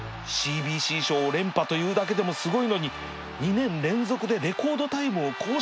ＣＢＣ 賞を連覇というだけでもすごいのに２年連続でレコードタイムを更新